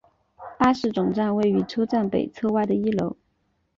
巴士总站位于车站北侧外的一楼。